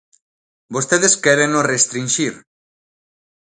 Vostedes quéreno restrinxir.